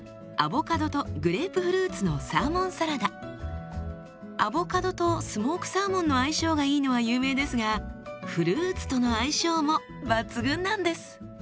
こちらはアボカドとスモークサーモンの相性がいいのは有名ですがフルーツとの相性も抜群なんです。